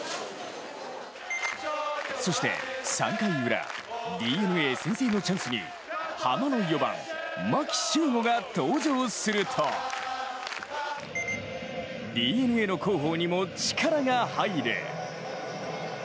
そして３回ウラ、ＤｅＮＡ先制のチャンスにハマの４番、牧秀悟が登場するとＤｅＮＡの広報にも力が入る。